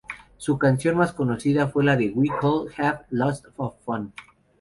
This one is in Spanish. Su canción más conocida fue "We Could Have Lots of Fun".